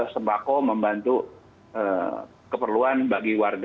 sembako membantu keperluan bagi warga